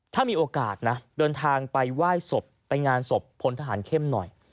ถ้ามีโอกาสนะเดินทางไปไหว้ศพไปงานศพพลทหารเข้มหน่อย